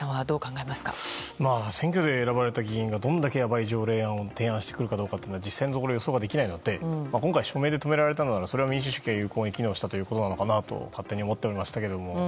選挙で選ばれた議員がどれだけやばい条例案を提案してくるかどうかは実際のところ予想ができないので今回、署名で止められたのならそれは民主主義が機能したということなのかなと勝手に思っておりましたが。